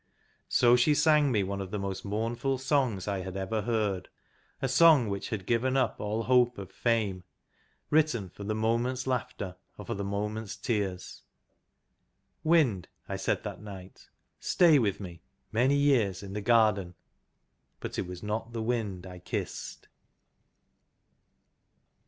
So she sang me one of the most mournful songs I had ever heard, a song which had given up all hope of fame, written for the moment's laughter or for the moment's tears. " Wind," I said that night, " stay with me many years in the garden." But it was not the Wind I kissed.